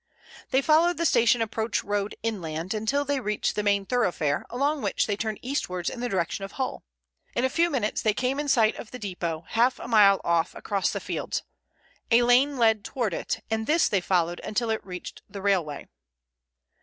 They followed the station approach road inland until they reached the main thoroughfare, along which they turned eastwards in the direction of Hull. In a few minutes they came in sight of the depot, half a mile off across the fields. A lane led towards it, and this they followed until it reached the railway.